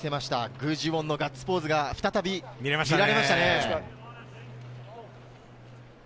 グ・ジウォンのガッツポーズが再び見られましたね。